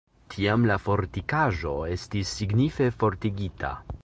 Tiam la fortikaĵo estis signife fortikigita.